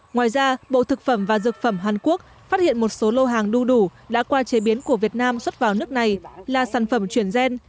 ngoài ra bộ thực phẩm và dược phẩm hàn quốc phát hiện một số lô hàng đu đủ đã qua chế biến của việt nam xuất vào nước này là sản phẩm chuyển gen